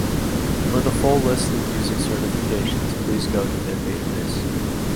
For the full list of music certifications, please go to their database.